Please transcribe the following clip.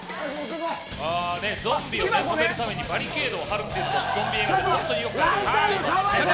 ゾンビを止めるためにバリケードを張るというのはゾンビ映画でも本当によくありますね。